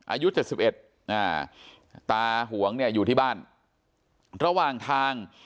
อายุเจ็ดสิบเอ็ดอ่าตาหวงเนี่ยอยู่ที่บ้านระหว่างทาง